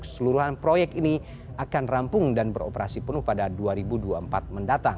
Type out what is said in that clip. seluruhan proyek ini akan rampung dan beroperasi penuh pada dua ribu dua puluh empat mendatang